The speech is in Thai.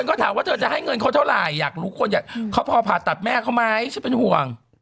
อ่ะคนก็ถามว่าเธอจะให้เงินเขาเท่าไหร่อยากรู้พ่อผ่าตัดแม่เขามั้ยฉันเป็นห่วง